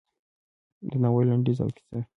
د ناول لنډیز او کیسه: